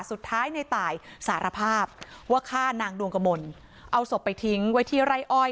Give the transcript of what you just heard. สุดท้ายในตายสารภาพว่าฆ่านางดวงกมลเอาศพไปทิ้งไว้ที่ไร่อ้อย